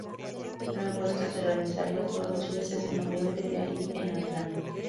Luego esta se realizaría todos los meses de noviembre de ahí en adelante.